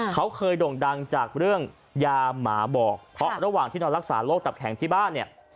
เขาเคยด่งดังจากเรื่องยาหมาบอกเพราะระหว่างที่นอนรักษาโรคตับแข็งที่บ้านเนี่ย